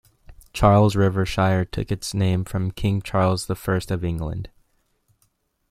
Charles River Shire took its name from King Charles the First of England.